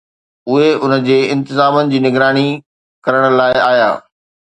اهي ان جي انتظامن جي نگراني ڪرڻ لاء آيا